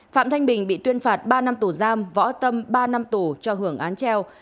phạm thanh bình bị tuyên phạt ba năm tù giam võ tâm ba năm tù cho hưởng án treo